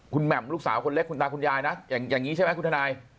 คุณแหม่มลูกสาวคนเล็กคุณตาคุณยายนะอย่างนี้ใช่ไหมคุณทนาย